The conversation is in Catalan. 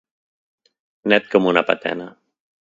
Net com una patena.